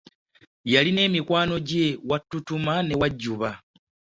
Yalina mikwano gye Wattutuma ne Wajjuba.